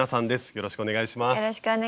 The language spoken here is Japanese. よろしくお願いします。